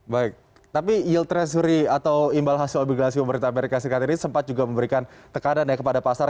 baik tapi yield treasury atau imbal hasil obligasi pemerintah amerika serikat ini sempat juga memberikan tekanan ya kepada pasar